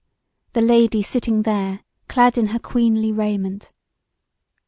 the Lady sitting there clad in her queenly raiment.